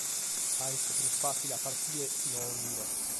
Ca est prus fàtzile a partzire chi no a unire.